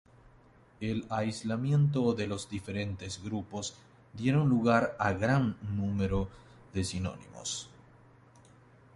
El aislamiento de los diferentes grupos dieron lugar a gran número de sinónimos.